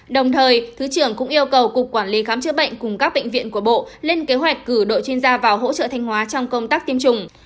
đồng thời thứ trưởng cũng yêu cầu cục quản lý khám chữa bệnh cùng các bệnh viện của bộ lên kế hoạch cử đội chuyên gia vào hỗ trợ thanh hóa trong công tác tiêm chủng